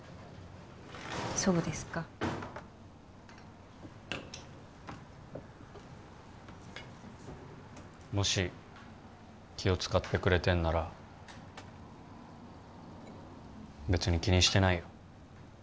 そうですかもし気を使ってくれてんなら別に気にしてないよ